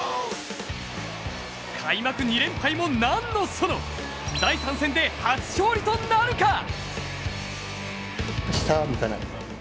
開幕２連敗もなんのその第３戦で、初勝利となるか。